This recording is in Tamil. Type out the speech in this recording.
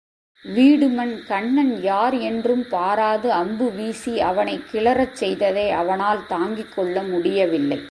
வீடுமன் கண்ணன் யார் என்றும் பாராது அம்பு வீசி அவனைக் கிளரச் செய்ததை அவனால் தாங்கிக் கொள்ள முடியவில்லை.